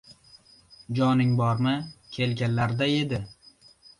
— Jonlaring bormi?! Kelinglar-da endi!